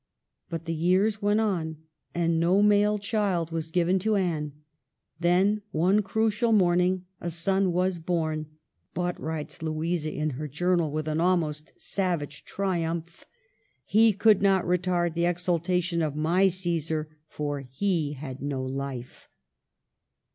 But the years went on, and no male child was given to Anne ; then, one crucial morning, a son was born ; but, writes Louisa in her journal, with an almost savage triumph, " he could not retard the exal tation of my Caesar, for he had no life."